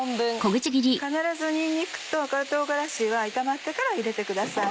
必ずにんにくと赤唐辛子は炒まってから入れてください。